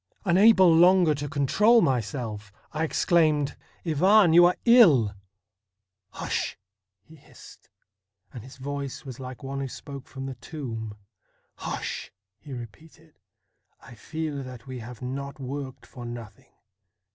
Unable longer to control myself, I exclaimed :' Ivan, you are ill !'' Hush !' he hissed, and his voice was like one who spoke from the tomb —' Hush !' he repeated ;' I feel that we have not worked for nothing.